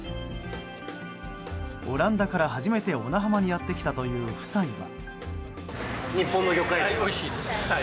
オランダから初めて小名浜にやってきたという夫妻は。